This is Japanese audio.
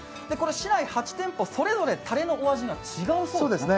市内８店舗、それぞれたれのお味が違うそうですね。